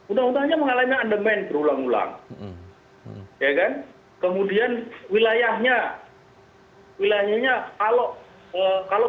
undang undangnya mengalami andemen berulang ulang ya kan kemudian wilayahnya wilayahnya kalau kalau